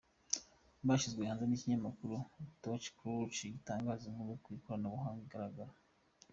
yashyizwe hanze n’ikinyamakuruTechCrunch gitangaza inkuru ku ikoranabuhanga igaragaza